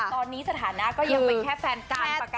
ตอนนี้สถานะก็ยังเป็นแค่แฟนกันปกติ